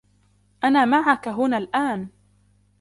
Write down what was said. أنا معك هنا الآن